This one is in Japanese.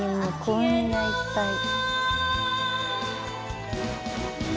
こんないっぱい。